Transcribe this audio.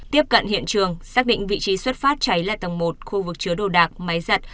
tiếp cận hiện trường xác định vị trí xuất phát cháy là tầng một khu vực chứa đồ đạc máy giặt